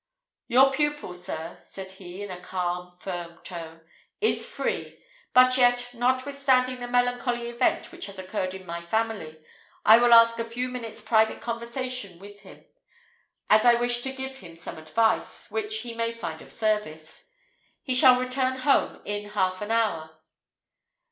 "Your pupil, sir," said he, in a calm, firm tone, "is free; but yet, notwithstanding the melancholy event which has occurred in my family, I will ask a few minutes' private conversation with him, as I wish to give him some advice, which he may find of service. He shall return home in half an hour.